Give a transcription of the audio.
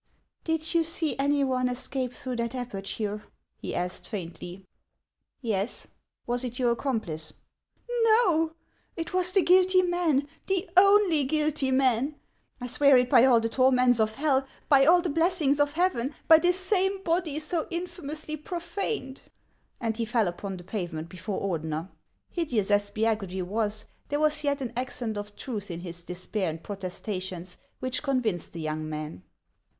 " Did you see any one escape through that aperture ?" he asked faintly. " Yes ; was it your accomplice ?"" No ; it was the guilty man, the only guilty man ! I swear it by all the torments of hell, by all the blessings of heaven, by this same body so infamously profaned !" and he fell upon the pavement before Ordener. Hideous as Spiagudry was, there was yet an accent of truth in his despair and protestations, which convinced the young man.